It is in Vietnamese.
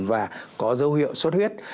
và có dấu hiệu suốt huyết